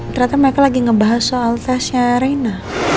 ternyata mereka lagi ngebahas soal tesnya arena